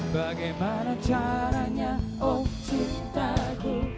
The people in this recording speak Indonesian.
bagaimana caranya oh cintaku